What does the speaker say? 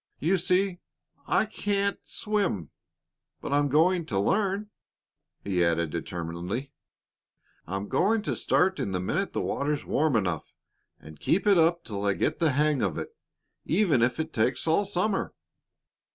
"You see, I can't swim. But I'm going to learn," he added determinedly. "I'm going to start in the minute the water's warm enough and keep it up till I get the hang of it, even if it takes all summer."